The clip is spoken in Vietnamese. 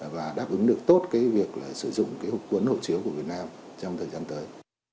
và đáp ứng được tốt cái việc sử dụng cái hộ chiếu của việt nam trong thời gian tới